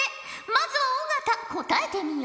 まずは尾形答えてみよ。